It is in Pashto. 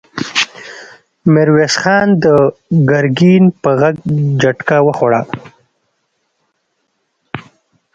ميرويس خان د ګرګين په غږ جټکه وخوړه!